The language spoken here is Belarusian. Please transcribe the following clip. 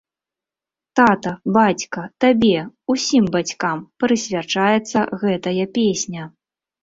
Тата, бацька, табе, усім бацькам, прысвячаецца гэтая песня.